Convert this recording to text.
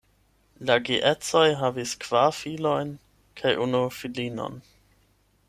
La geedzoj havis kvar filojn kaj unu filinon.